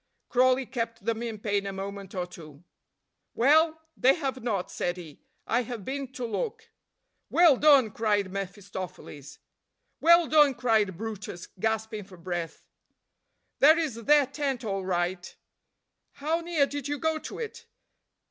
Crawley kept them in pain a moment or two. "Well, they have not," said he, "I have been to look." "Well done," cried mephistopheles. "Well done," cried brutus, gasping for breath. "There is their tent all right." "How near did you go to it?"